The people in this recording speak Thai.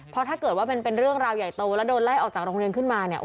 เพราะถ้าเกิดว่ามันเป็นเรื่องราวใหญ่โตแล้วโดนไล่ออกจากโรงเรียนขึ้นมาเนี่ย